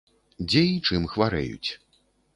Дзе і чым хварэюць?